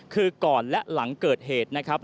คือก่อนและหลังเกิดเหตุนะครับ